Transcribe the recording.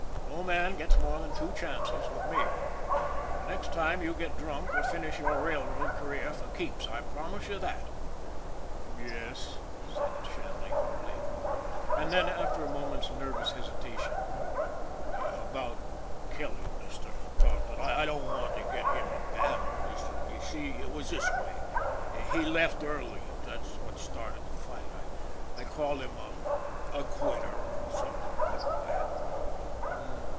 No man gets more than two chances with me. The next time you get drunk will finish your railroad career for keeps, I promise you that." " Yes," said Shanley humbly ; and then, after a moment's nervous hesitation :" About Kelly, Mr. Carleton. I don't want to get him in bad on this. You see, it was this way. He left early that's what started the fight. I called him a a quitter or some thing like that."